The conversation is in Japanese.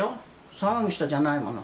騒ぐ人じゃないもの。